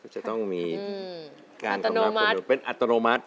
จะต้องมีการกำลังเป็นอัตโนมัติ